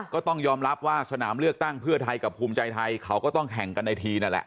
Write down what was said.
ก็ต้องยอมรับว่าสนามเลือกตั้งเพื่อไทยกับภูมิใจไทยเขาก็ต้องแข่งกันในทีนั่นแหละ